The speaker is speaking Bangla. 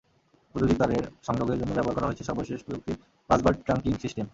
বৈদ্যুতিক তারের সংযোগের জন্য ব্যবহার করা হয়েছে সর্বশেষ প্রযুক্তির বাসবার ট্রাংকিং সিস্টেম।